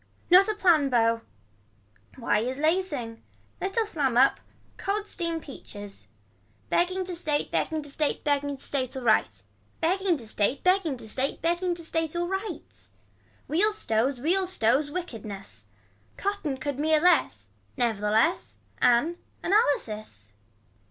Not a plan bow. Why is lacings. Little slam up. Cold seam peaches. Begging to state begging to state begging to state alright. Begging to state begging to state begging to state alright. Wheels stows wheels stows. Wickedness. Cotton could mere less. Nevertheless. Anne. Analysis.